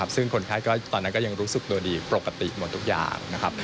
ซึ่งคนไทยตอนนั้นก็ยังรู้สึกโดดีปกติหมดทุกอย่าง